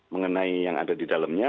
mengenai yang ada di dalamnya